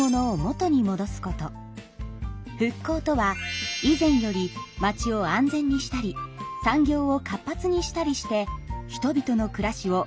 復興とは以前より町を安全にしたり産業を活発にしたりして人々の暮らしをよりよくすることです。